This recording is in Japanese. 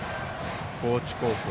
高知高校。